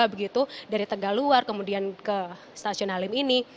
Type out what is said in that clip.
begitu dari tegaluar kemudian ke stasiun halim ini